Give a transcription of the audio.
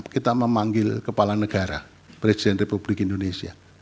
kita memanggil kepala negara presiden republik indonesia